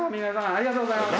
ありがとうございます。